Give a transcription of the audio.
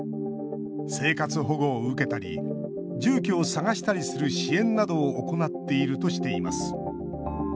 生活保護を受けたり住居を探したりする支援などを行っているとしています。